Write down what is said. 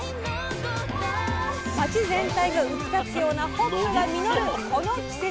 町全体が浮き立つようなホップが実るこの季節。